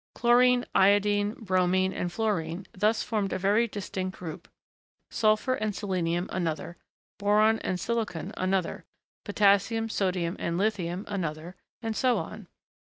Chlorine, iodine, bromine, and fluorine thus formed a very distinct group; sulphur and selenium another; boron and silicon another; potassium, sodium, and lithium another; and so on.